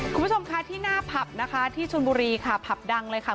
คุณผู้ชมค่ะที่หน้าผับนะคะที่ชนบุรีค่ะผับดังเลยค่ะ